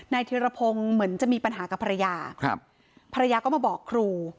ธิรพงศ์เหมือนจะมีปัญหากับภรรยาครับภรรยาก็มาบอกครู